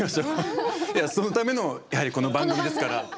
そのためのやはりこの番組ですから。